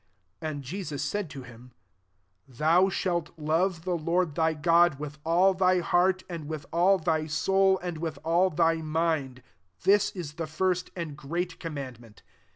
37 And Jesus said to him, ^ Thou Shalt love the Lord thy God with all thy heart, and with all thy soul, and with all thy mind*' 38 This is the first and great commandment.